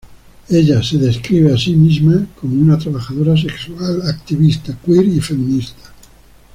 Ella se describe así mismo como una trabajadora sexual, activista queer y feminista.